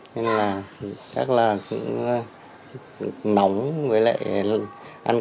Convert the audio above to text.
nên là rất là nóng với lại ăn kem lạnh